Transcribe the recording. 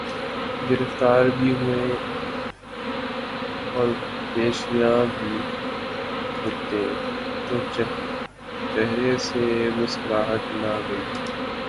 گرفتار بھی ہوئے اورپیشیاں بھی بھگتیں تو چہرے سے مسکراہٹ نہ گئی۔